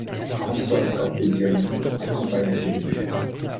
François Corteggiani accompagne ses débuts.